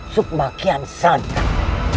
sukma kian santang